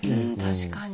確かに。